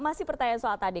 masih pertanyaan soal tadi